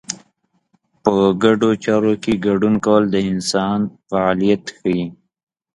په ګډو چارو کې ګډون کول د انسان فعالیت ښيي.